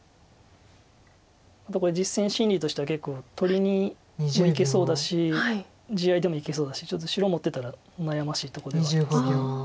やっぱり実戦心理としては結構取りにもいけそうだし地合いでもいけそうだしちょっと白持ってたら悩ましいとこではあります。